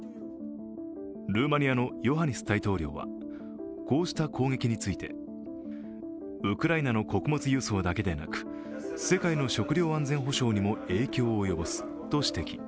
ルーマニアのヨハニス大統領はこうした攻撃についてウクライナの穀物輸送だけでなく、世界の食料安全保障にも影響を及ぼすと指摘。